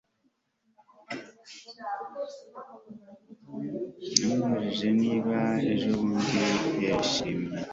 namubajije niba ejobundi yarishimye